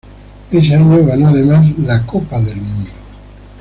Ese año ganó además la Copa del Mundo.